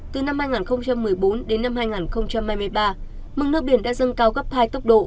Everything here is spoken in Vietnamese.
từ năm hai nghìn một mươi bốn đến năm hai nghìn hai mươi ba mực nước biển đã dâng cao gấp hai tốc độ